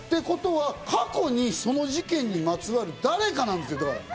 ことは過去にその事件にまつわる誰かなんですよ。